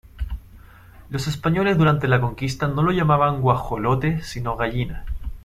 Los españoles durante la Conquista no lo llamaban guajolote sino gallina.